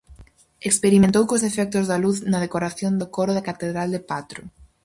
Experimentou cos efectos da luz na decoración do coro da catedral de Patro.